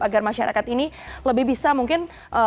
agar masyarakat ini lebih bisa mungkin